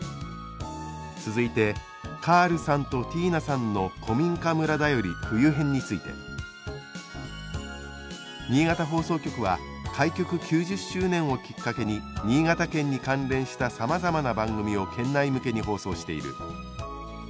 続いてカールさんとティーナさんの古民家村だより「冬編」について「新潟放送局は開局９０周年をきっかけに新潟県に関連したさまざまな番組を県内向けに放送している。